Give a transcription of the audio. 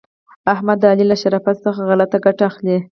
احمد د علي له شرافت څخه غلته ګټه اخلي.